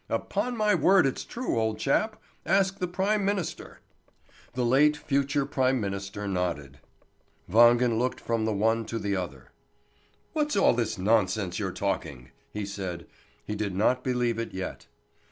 Upon my word it's true, old chap! Ask the prime minister!" The late future prime minister nodded. Wangen looked from the one to the other. "What's all this nonsense you're talking?" he said. He did not believe it yet.